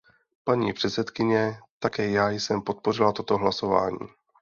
Paní předsedkyně, také já jsem podpořila toto hlasování.